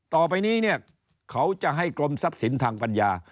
ต่อไปนี้เนี่ยเขาจะให้กรมทรัพย์สินทางปัญญา